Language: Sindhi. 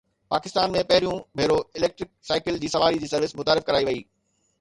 پاڪستان ۾ پهريون ڀيرو اليڪٽرڪ سائيڪل جي سواري جي سروس متعارف ڪرائي وئي